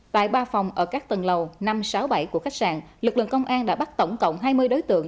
tại ba phòng ở các tầng lầu năm trăm sáu mươi bảy của khách sạn lực lượng công an đã bắt tổng cộng hai mươi đối tượng